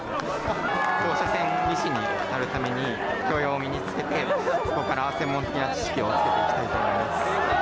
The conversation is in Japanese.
放射線技師になるために、教養を身につけて、そこから専門的な知識をつけていきたいと思います。